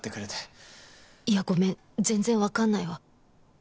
いやごめん全然わかんないわ